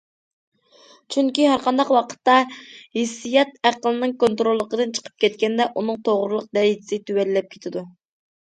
چۈنكى ھەرقانداق ۋاقىتتا ھېسسىيات ئەقىلنىڭ كونتروللۇقىدىن چىقىپ كەتكەندە ئۇنىڭ توغرىلىق دەرىجىسى تۆۋەنلەپ كېتىدۇ.